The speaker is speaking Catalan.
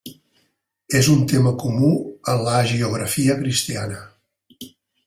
És un tema comú en l'hagiografia cristiana.